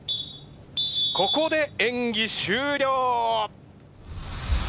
ここで演技終了！